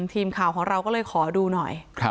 ทีมข่าวของเราก็เลยขอดูหน่อย